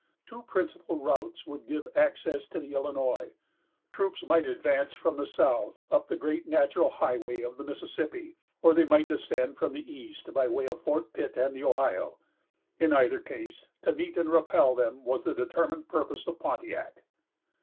Two principal routes would give access to the Illinois. Troops might advance from the south up the great natural highway of the Mississippi, or they might descend from the east by way of Fort Pitt and the Ohio. In either case, to meet and repel them was the determined purpose of Pontiac.